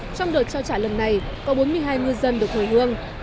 trong đợt trao trả lần này có bốn mươi hai ngư dân được hồi hương